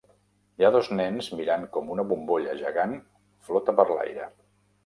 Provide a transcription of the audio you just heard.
Hi ha dos nens mirant com una bombolla gegant flota per l'aire.